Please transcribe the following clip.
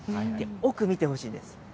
奥、見てほしいんです。